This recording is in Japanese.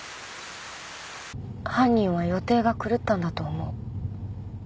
犯人は予定が狂ったんだと思う。